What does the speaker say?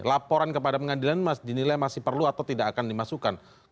laporan kepada pengadilan dinilai masih perlu atau tidak akan dimasukkan